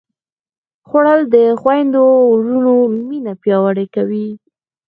خوړل د خویندو وروڼو مینه پیاوړې کوي